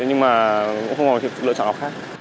nhưng mà cũng không có lựa chọn nào khác